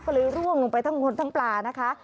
ก็เลยร่วงลงไปทั้งคนทั้งปลานะคะ